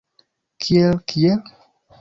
Kiel, kiel?